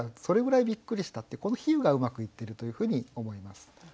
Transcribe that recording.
それぐらいびっくりしたってこの比喩がうまくいってるというふうに思います。